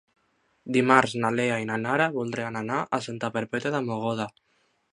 Dimarts na Lea i na Nara voldrien anar a Santa Perpètua de Mogoda.